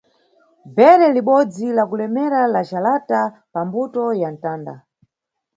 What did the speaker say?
Bheke libodzi lakulemera la jalata pa mbuto ya mtanda.